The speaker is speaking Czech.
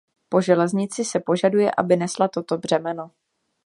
Po železnici se požaduje, aby nesla toto břemeno.